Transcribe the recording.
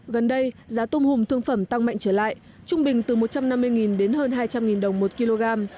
gần đây giá tôm hùm thương phẩm tăng mạnh trở lại trung bình từ một trăm năm mươi đến hơn hai trăm linh đồng một kg